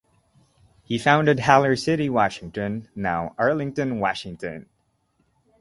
He founded Haller City, Washington, now Arlington, Washington.